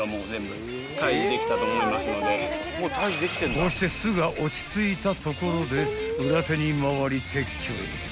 ［こうして巣が落ち着いたところで裏手に回り撤去へ］